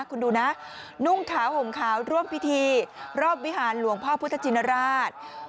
คุณดูนะนุ่งขาวห่มขาวร่วมพิธีรอบวิหารหลวงพ่อพุทธชินราช